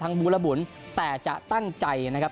บูและบุ๋นแต่จะตั้งใจนะครับ